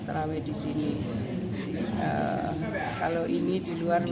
terawih di sini kalau ini di luar